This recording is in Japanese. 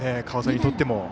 川副にとっても。